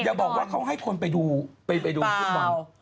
ก็จะบอกว่าเขาให้คนไปดูไปดูลูกบอล